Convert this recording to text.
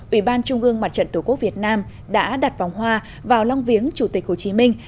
ủy ban trung ương mặt trận tổ quốc việt nam đã đặt vòng hoa vào long viếng chủ tịch hồ chí minh